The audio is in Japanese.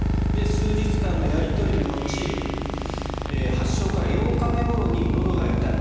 数日間のやり取りの後発症から８日目ごろにのどが痛い